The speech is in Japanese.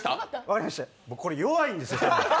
これ、弱いんですよ。